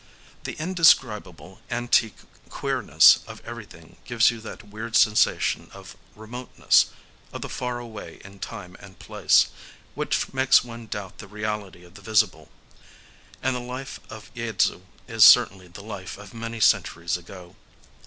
The indescribable antique queerness of everything gives you that weird sensation of remoteness,—of the far away in time and place,—which makes one doubt the reality of the visible. And the life of Yaidzu is certainly the life of many centuries ago.